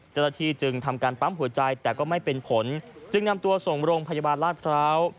เจ้าหน้าที่จึงทำการปั๊มหัวใจแต่ก็ไม่เป็นผลจึงนำตัวส่งโรงพยาบาลราชพร้าว